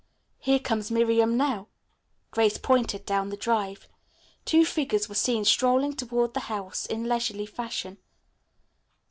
"Here comes Miriam now." Grace pointed down the drive. Two figures were seen strolling toward the house in leisurely fashion.